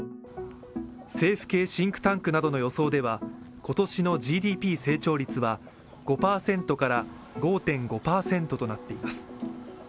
政府系シンクタンクなどの予想では、今年のＧＤＰ成長率は５％から５．５％となっています。